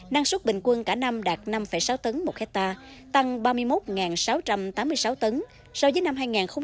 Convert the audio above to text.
năng suất bình quân cả năm đạt năm sáu tấn một hectare tăng ba mươi một sáu trăm tám mươi sáu tấn so với năm hai nghìn một mươi